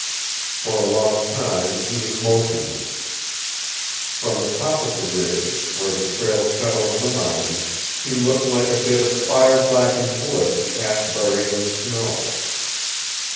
For a long time he was motionless. From the top of the ridge, where the trail cut over the mountain, he looked like a bit of fire blackened wood half buried in the snow.